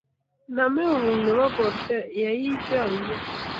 naam eung'uk nebo borther yo iite aineet